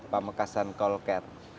pamekasan call care